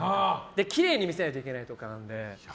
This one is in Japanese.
きれいに見せないといけないので。